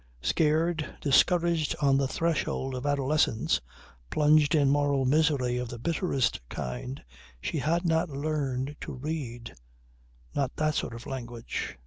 Scared, discouraged on the threshold of adolescence, plunged in moral misery of the bitterest kind, she had not learned to read not that sort of language.